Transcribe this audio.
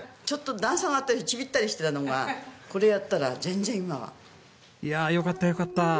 ちょっと段差があってちびったりしてたのがこれやったら全然今は。いやよかったよかった。